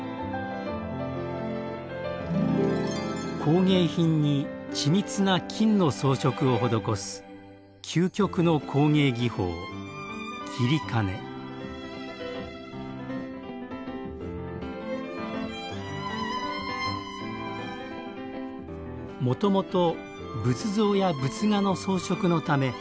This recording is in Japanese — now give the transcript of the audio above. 工芸品に緻密な金の装飾を施すもともと仏像や仏画の装飾のため７世紀に伝わったもの。